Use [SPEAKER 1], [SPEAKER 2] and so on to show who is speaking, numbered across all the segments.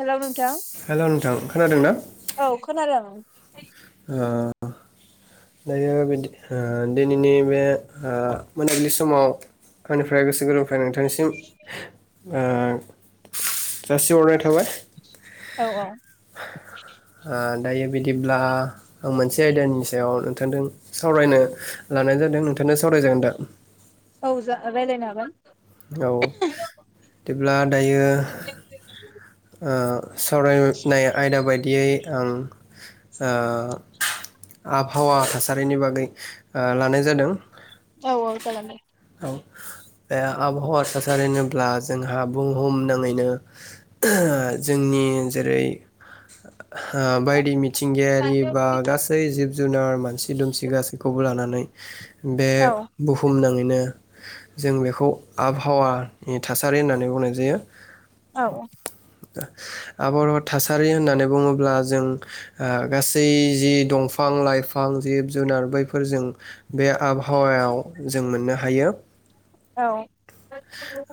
[SPEAKER 1] हेल' नोंथां
[SPEAKER 2] हेल' नोंथां खोनादोंना ओ
[SPEAKER 1] औ खोनादों
[SPEAKER 2] दायोदि दिनैनि बे मोनाबिलि समाव आंनिफ्राय गोसो गोर आं नोंथांनिसिम ओ जासि हरनाय थाबाय
[SPEAKER 1] औ
[SPEAKER 2] ओ दायो बिदिब्ला आं मोनसे आयदानि सायाव नोंथांजों सावरायनो लानाय जादों नोंथांआ सावरायजागोन दा
[SPEAKER 1] औ जा रायलायनो हागोन
[SPEAKER 2] औ दिब्ला दायो ओ सावरायनाय आयदा बायदियै ओम आ आबहावा थासारिनि बागै लानाय जादों।
[SPEAKER 1] औ औ जागोन दे
[SPEAKER 2] दा आबहावा थासारि होनोब्ला जोंहा बुहुम नाङैनो जोंनि जेरै ओ बायदि मिथिंगायारि बा गासै जिब जुनार मानसि दुमसि गासैखौबो लानानै बे
[SPEAKER 1] औ
[SPEAKER 2] बुहुमनाङै बिनो जों बेखौ आबहावानि थासारि होननानै बुंनाय जायो
[SPEAKER 1] औ
[SPEAKER 2] आफावा थासारि होननानै बुङोब्ला जों आ गासै जि दंफां लाइफां जिब जुनार बैफोर जों बे आबहावायाव जों मोननो हायो।
[SPEAKER 1] औ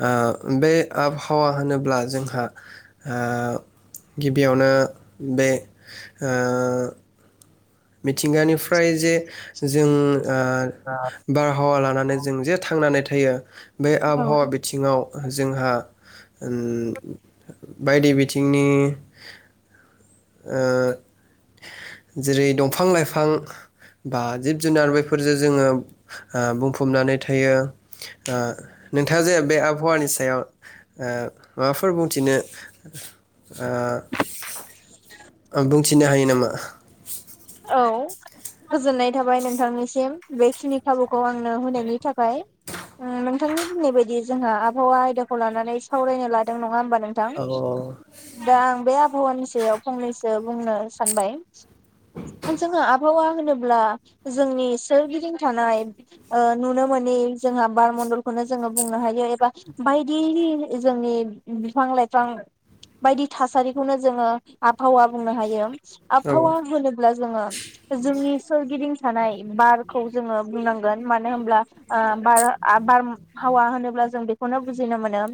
[SPEAKER 2] आ बे आबहावा होनोब्ला जोंहा ओ गिबियावनो बे ओ मिथिंगानिफ्राय जे जों ओ बारहावा लानानै जों जे थांनानै [unintelligible] बे आबहावा बिथिङाव जोंहा ओम बायदि बिथिंनि ओ जेरै द दंफां लाइफां बा जिब जुनार बेफोरजों जोंङो ओ बुंफबनानै थायो नोंथाङा जे बे आबहावानि सायाव ओ माबाफोर बुंथिनो ओ बुंथिनो हायो नामा?
[SPEAKER 1] औ गोजोननाय थाबाय नोंथांनिसिम बेखिनि खाबुखौ आंनो होनायनि थाखाय ओम नोंथांनि बुंनाय बायदि जोंहा आबहावा आयदाखौ लानानै सावरायनो लादों नङा होनबा नोंथां
[SPEAKER 2] औ
[SPEAKER 1] दा आं बे आ आबहावानि सायाव फंनैसो बुंनो सानबाय आ जोंङ [unintelligible] आबहावा होनोब्ला जोंनि सोरगिदिं थानाय ओ-नुनो मोनै जोंहा बार मण्डलखौनो जोङो बुंनो हायो एबा बायदि जोंनि बिफां लाइफां बायदि थासारिखौनो जोङो आबहावा बुंनो हायो।
[SPEAKER 2] औ
[SPEAKER 1] आबहावा। होनोब्ला जोङो जोंनि सोरगिदिं थानाय बारखौ। जोङो बुंनां गोन माने होनोमब्ला ओ- बार आब-बारम हावा होनोब्ला जों बेखौनो बुजिनो मोनो।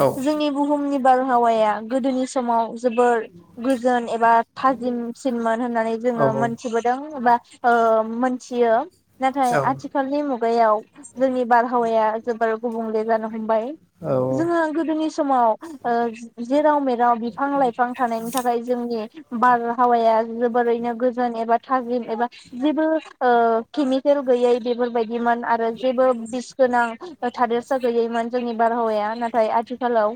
[SPEAKER 2] औ
[SPEAKER 1] जोंनि बुहुमनि बारहावाया गोदोनि। समाव। जोबोर गोजोन एबा थाजिम। सिनमोन होननानै
[SPEAKER 2] औ
[SPEAKER 1] जोङो
[SPEAKER 2] औ
[SPEAKER 1] मोनथिबोदों एबा। ओ-मोनथियो। नाथाय
[SPEAKER 2] औ
[SPEAKER 1] आथिखालनि मुग गायाव। जोंनि बारहावाया जोबोर। गबुंले जानो । हमबाय
[SPEAKER 2] औ
[SPEAKER 1] जोङो गोदोनि। समाव ओ-जेराव मे बिफां लाइफां थानायनि थाखाय जोंनि बार। हावाया जोबोरैनो गोजोन एबा थाजिम एबा जेबो ओ- केमिकेल गैयै बेफोरबायदिमोन आरो जेबो बिस गोनां थादेरसा गैयैमोन जोंनि बारहावाया नाथाय आथिख खालाव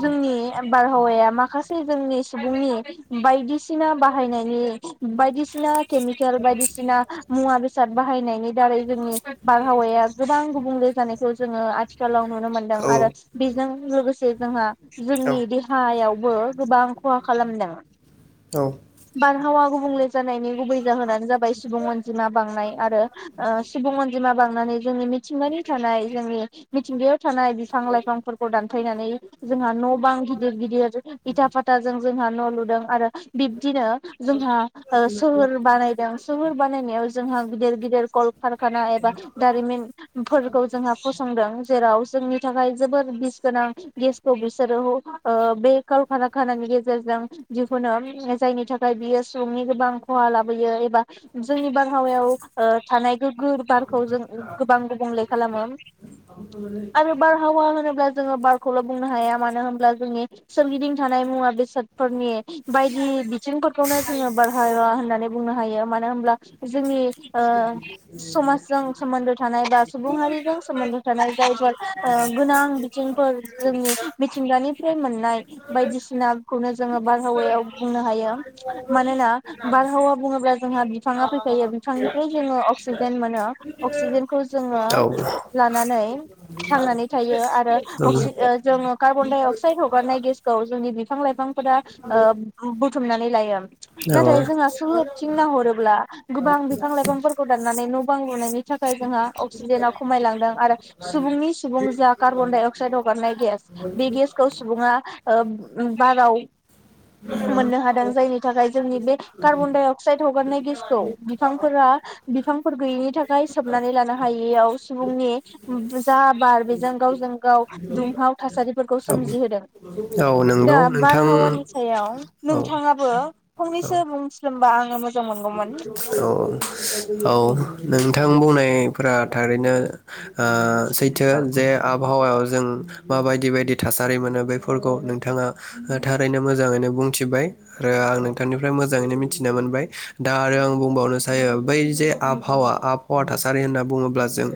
[SPEAKER 1] जोंनि बारहावाया माखासे जोंनि। सुबुंनि बायदिसि सिना बाहायनायनि बायदिसि सिना केमिकेल बायदिसिना मुवा बेसाद बाहायनायनि दारै जोंनि बारहावाया गोबां गुबुंले जानायखौ। जोङो आथिखालाव। नुनो मोनदों आरो बेजों लोगोसे। से जोंहा । जोंनि देहायाव। बो गोबां खहा खालामदों।
[SPEAKER 2] औ
[SPEAKER 1] बारहावा गुबुं गुबुंले जानायनि। गुबै जाहोनानो जाबाय सुबुं अनजिमा बांनाय आरो ओ-सुबुं अन जिमा बांनानै जोंनि मिथिंगानि थानाय जोंनि मिथिंगायाव । थानाय बिफां लाइफांफोरखौ दानफायनानै जोंहा न बां गिदिर गिदिर इथा फाथाजों जोंहा न लु दों आरो। बिब दिनो जोंहा ओ सोहोर बानायदों सोहोर बानायनायाव जोंहा गिदिर गिदिर कल कारखाना एबा दारिमिनफोरखौ जोंहा फसंदों जेराव जोंनि थाखाय जोबोर बिस गोनां गेसखौ बिसोरो ओ बे कालखारखारा खानानि गेजेरजों [unintelligible] जायनि थाखाय बियो सुबुंनि गोबां खहा लाबोयो एबा जोंनि बां बारहावायाव थानाय गोग्गो बारखौ जों गोबां गुबुंले खालामो आरो बारहावा होनोब्ला जोङो बारखौल बुंनो हाया मानो होनब्ला जोंनि सोरगिदिं थानाय मुवा बेसादफोरनि बायदि बिथिंफोरखौनो जोङो बारहावा होननानै बुंनो हायो मानो होनब्ला जोंनि ओ समाजजों सोमोन्दो थानाय बा सुबुं हारिजों सोमोन्दो थानाय जायफोर ओ गोनां बिथिंफोर जोंनि मिथिंगानिफ्राय मोननाय बायदिसिनाखौनो जोङो बारहावायाव बुंनो हायो मानोना बारहावा बुङोब्ला जोंहा बिफाङा फैखायो बिफांनिफ्राय जोङो अक्सिजेन जेन मोनो अक्सिजेनखौ जोङो
[SPEAKER 2] औ
[SPEAKER 1] लानानै थांनानै थायो आरो अक्सिजेन जों कार्बनडाइ अक अक्साइड हगारनाय गेसखौ जोंनि बिफां लाइफांफोरा ओ बुथुमनानै लायो। नाथाय जोंहा सोहोरथिं नाहरोब्ला गोबां बिफां लाइफांफोरखौ दाननानै न बां लुनायनि थाखाय जोंहा अक्सिजेना खमायलांदों आरो सुबुंनि सुबुं जा कार्बन डाइ अक्साइद हगारनाय गेस बे गेसखौ सुबुङा ओ बाराव [inaudible] मोननो हादों जायनि थाखाय जोंनि बे कार्बन डाइ अक्साइद हगारनाय गेसखौ बिफांफोरा बिफांफोर गैयिनि थाखाय सोबनानै लानो हायि। बेयाव सुबुंनि जा बार बेजों गावजों गाव दुंहाव थासारिफोरखौ सोमजिहोदों।
[SPEAKER 2] औ नोंगौ
[SPEAKER 1] दा
[SPEAKER 2] नोंथां।
[SPEAKER 1] बारहावानि सायाव
[SPEAKER 2] औ
[SPEAKER 1] नोंथाङाबो
[SPEAKER 2] औ
[SPEAKER 1] फंनैसो बुंस्रोमबा आङो मोजां मोनगौमोन।
[SPEAKER 2] औ औ नोंथां बुंनायफोरा थारैनो आ सैथो जे आबहावायाव जों माबायदि बायदि थासारि मोनो बेफोरखौ नोंथाङा थारैनो मोजाङैनो बुंथिबाय आरो आं नोंथांनिफ्राय मोजाङैनो मिथिना मोनबाय दा आरो आं बुंबावनो सायो बै जे आबहावा आबहावा थासारि होनना बुङोब्ला जों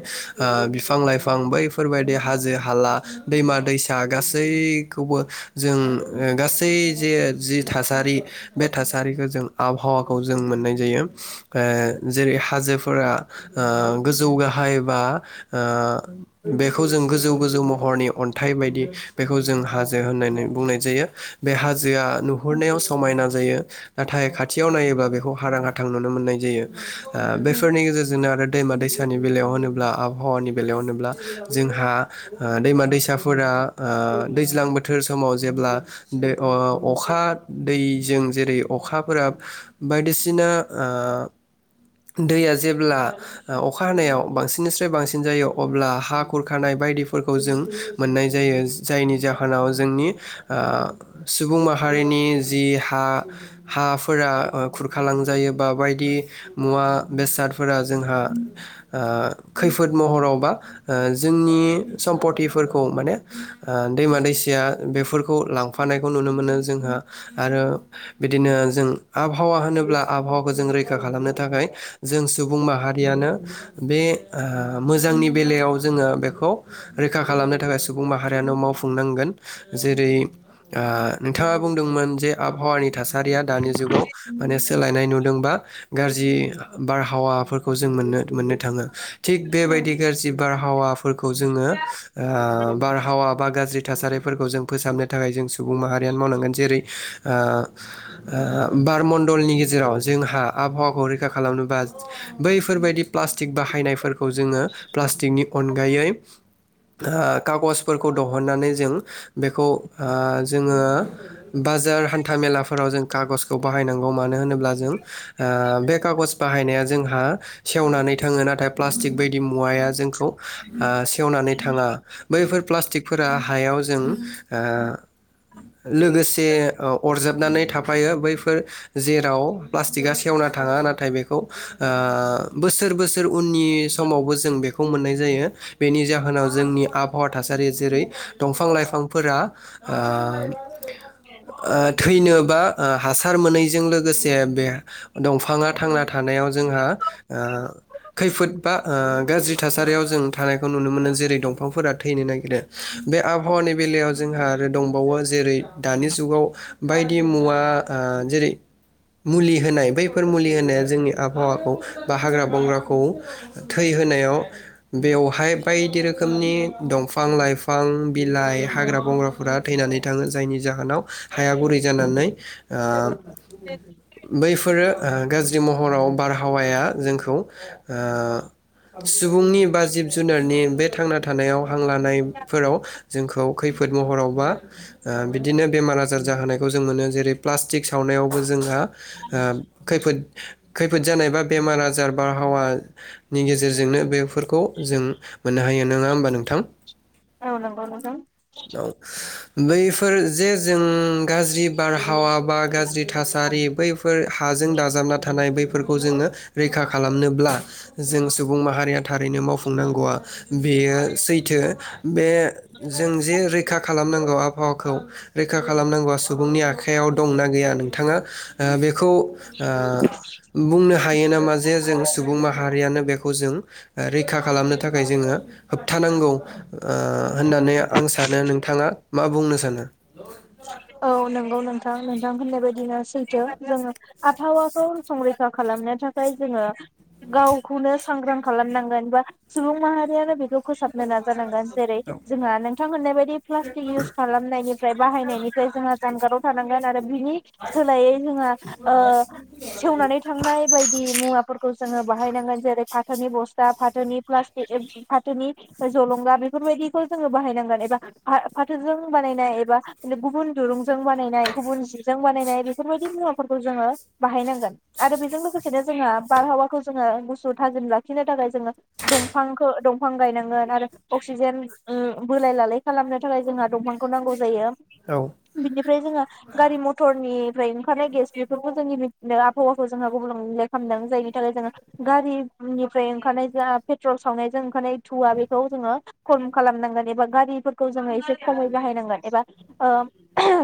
[SPEAKER 2] आ बिफां लाइफां बैफोर बायदि हाजो हाला दैमा दैसा गासैखौबो जों गासै जे जि थासारि बे थासारिखौ जों आबहावाखौ जों मोननाय जायो ओ। जेरै हाजोफोरा ओ गोजौ गाहाय बा ओ बेखौ जों गोजौ गोजौ महरनि अन्थाइ बायदि बेखौ जों हाजो होननानै बुंनाय जायो बे हा जोआ नुहुरनायाव समायना जायो। नाथाय खाथियाव नायोबा बेखौ हारां हाथां नुनो मोननाय जायो। ओ बेफोरनि गेजेरजोंनो आरो दैमा दैसा। गोदोनि बेलायाव होनोब्ला आबहावानि बेलायाव होनोब्ला जोंहा ओ दैमा दैसाफोरा ओ दैज्लां बोथोर समाव जेब्ला अखा दैजों जेरै अखाफोरा बायदिसिना ओ, दैया जेब्ला अखा हानायाव बांसिननिस्राय बांसिन जायो अब्ला हा खुरखानाय बायदिफोरखौ जों मोननाय जायो जायनि जाहोनाव जोंनि सुबुं माहारिनि जि हा हाफोरा खुरखालांजायो बा बायदि। मुवा बेसादफोरा जोंहा ओ खैफोद महरावबा जोंनि सम्पथिफोरखौ माने दैमा दैसाया बेफोरखौ लांफानायखौ नुनो मोनो जोंहा आरो बिदिनो जों आबहावा होनोब्ला आबहावाखौ जों रैखा खालामनो। थाखाय जों सुबुं माहारियानो बे मोजांनि बेलायाव जोङो बेखौ रैखा खालामनो थाखाय सुबुं माहारियानो मावफुंनांगोन जेरै ओ नोंथाङा बुंदोंमोन जे आबहावानि थासारिया दानि जुगाव माने सोलायनाय नुदोंबा। गाज्रि बारहावाफोरखौ जों मोननो मोननो थाङो। थिग बेबायदि गाज्रि बारहावाफोरखौ जोङो ओ बारहावा बा गाज्रि। थासारिफोरखौ जों फोसाबनो थाखाय जों सुबुं माहारियानो मावनांगोन जेरै ओ बारमडलनि गेजेराव जोंहा। आबहावाखौ रैखा खालामनोबा बैफोरबायदि प्लास्टिक बाहायनायफोर जोङो प्लासतिकनि अनगायै। [unintelligible] खागजफोरखौ दहननानै जों बेखौ जोङो बाजार हान्था मेलाफोराव जों खागजखौ बाहायनांगौ मानो होनोब्ला जों। ओ बे खागज बाहायनाया जोंहा सेवनानै थाङो नाथाय प्लास्टिक बायदि मुवाया जोंखौ ओ सेवनानै थाङा बैफोर प्लास्टिकफोरा हायाव जों लोगोसे अरजाबनानै थाफायो बैफोर जेराव प्लास प्लास्टिकगा सेवना थाङा नाथाय बेखौ ओ बोसोर बोसोर उननि समावबो जों बेखौ मोननाय जायो बेनि जाहोनाव जोंनि आबहावा थासारि जेरै दंफां लाइफांफोरा ओ थैनो बा हासार मोनैजों लोगोसे बे। दंफाङा थांना थानायाव जोंहा ओ खैफोद बा गाज्रि ओ थासारियाव जों थानायखौ नुनो मोनो जेरै दंफांफोरा थैनो नागिरो बे आबहावानि बेलायाव जोंहा आरो दंबावो जेरै दानि जुगाव बायदि मुवा जेरै मुलि। होनाय बैफोर मुलि होनाया जोंनि आबहावाखौ बा हाग्रा बंग्राखौ थै होनायाव बेवहाय बायदि रोखोमनि दंफां लाइफां बिलाइ हाग्रा बंग्राफोरा थैनानै थाङो जायनि जाहोनाव हाया गुरै जानानै। आ। बैफोरो गाज्रि महराव बारहावाया जोंखौ ओ सुबुंनि बा जिब जुनारनि बे थांना थानायाव हां लानायफोराव जोंखौ खैफोद महरावबा बिदिनो बेमार आजार जाहोनायखौ जों मोनो जेरै प्लास्टिक सावनायावबो जोंहा। ओ खैफोद। खैफोद जानाय बा बेमार आजार बारहावानि गेजेरजोंनो बेफोरखौ जों मोननो हायो नोङा होमबा नोंथां।
[SPEAKER 1] औ नंगौ नोंथां
[SPEAKER 2] औ बैफोर जे जों गाज्रि बारहावा बा गाज्रि थासारि। बैफोर हाजों दाजाबना थानाय बैफोरखौ जोङो रैखा खालामनोब्ला जों सुबुं माहारिया थारैनो मावफुंनांगौआ बेयो सैथो बे जों जे रैखा खालामनांगौ आबहावाखौ रैखा खालामनांगौआ सुबुंनि आखायाव दंना गैया नोंथाङा। ओ बेखौ बुंनो हायो नामा जे जों सुबुं माहारियानो बेखौ जों रैखा खालामनो थाखाय जोङो होबथानांगौ होननानै आं सानो नोंथाङा मा बुंनो सानो?
[SPEAKER 1] औ नंगौ नोंथा नोंथां नोंथां होननाय बायदिनो । सैथो जोङो आबहावा खौ संरैखा खालामनो थाखाय जोङो। गावखौनो। सांग्रां खालामनांगोन बा सुबुं माहारियानो खौ फोसाबनो नाजानांगोन जेरै जोंहा नोंथां होननाय बायदि प्लास्टिक इउस खालामनायनिफ्राय बाहायनायनि। जोंहा जानगाराव थानांगोन आरो बिनि सोलायै जोंहा ओ सेवनानै थांनाय बायदि मुवाफोर जोङो बाहायनांगोन जैरै फाथोनि बस्ता फाथोनि प्लाजटिक फाथोनि जलंगा बेफोरबायदिखौ जोङो बाहायनांगोन एबा फा फाथोजों बानायनाय एबा गुबु गुबुन दुरुं जों बानायनाय गुबुन जिजों बाना बानायनाय बेफोरबायदि मुवाफोरखौ जोङो बाहायनांगोन आरो बेजों लोगोसेनो जोंहा बारहावाखौ जोङो गुसु थाजिम लाखिनो थाखाय जोङो दंफांखौ दंफां गायनांगोन आरो अक्सिजेन ओ बोलाय लालाय खालामनो थाखाय जोंहा दंफांखौ नांगौ जायो।
[SPEAKER 2] औ
[SPEAKER 1] बिनिफ्राय जोङो गारि मथरनि, फ्राय ओंखारनाय गेस बेफोरखौ जोंनि आबहावाखौ जोंहा गुबुंले खालामदों जायनि थाखाय जोङो गारिनिफ्राय ओंखारनाय जा पेट्रल सावनायजों ओंखारनाय धुवा बेखौ जोङो खम खालामनांगोन एबा गारिफोरखौ जोङो एसे खमै बाहायनांगोन एबा। ओ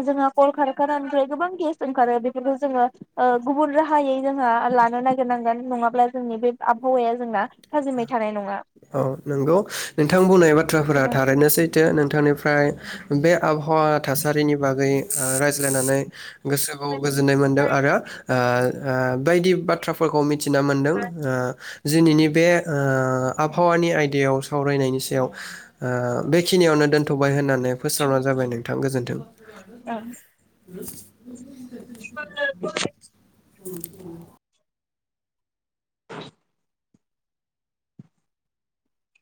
[SPEAKER 1] जोंहा कल खारखानिफ्राय गोबां गेस ओंखारो बेफोरखौ जोङो ओ गुबुन राहायै जोंहा लानो नागिरनांगोन नङाब्ला जोंनि बे आबहावाया जोंना। थाजिमै थानाय नङा
[SPEAKER 2] औ नंगौ नोंथां बुंनाय बाथ्राफोरा थारैनो सैथो नोंथांनिफ्राय। बे आबहावा थासारिनि बागै ओ ज्लायनानै। गोसोखौ गोजोननाय मोनदों आरो। ओ ओ बायदि बाथ्राफोरखौ मि थिना मोनदों ओ [unintelligible] बे। ओ आबहावानि आयदायाव सावरायनायनि सायाव ओ बेखिनियावनो दोनथ'बाय होननानै फोस्रावना जाबाय नोंथां गोजोन्थों। [unintelligible]
[SPEAKER 1] [unintelligible]
[SPEAKER 2] [unintelligible]